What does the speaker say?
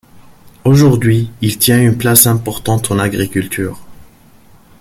Aujourd'hui, il tient une place importante en agriculture.